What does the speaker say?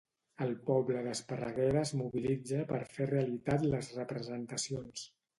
El poble d'Esparreguera es mobilitza per fer realitat les representacions.